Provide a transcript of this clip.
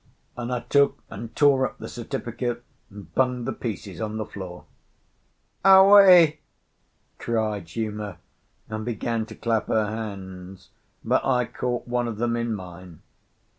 And I took and tore up the certificate and bunged the pieces on the floor. "Aué!" cried Uma, and began to clap her hands; but I caught one of them in mine.